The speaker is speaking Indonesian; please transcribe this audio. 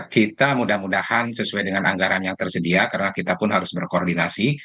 kita mudah mudahan sesuai dengan anggaran yang tersedia karena kita pun harus berkoordinasi